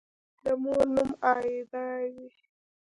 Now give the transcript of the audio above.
د مور نوم «آیدا» وي